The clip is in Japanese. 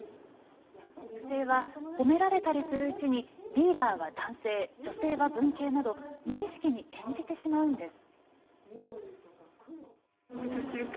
学生は褒められたりするうちにリーダーは男性女性は文系など無意識に演じてしまうんです。